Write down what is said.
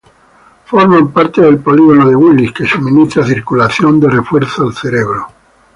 Forman parte del polígono de Willis, que suministra circulación de refuerzo al cerebro.